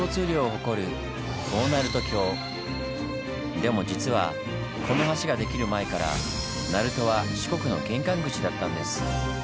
でも実はこの橋ができる前から鳴門は四国の玄関口だったんです。